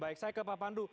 baik saya ke pak pandu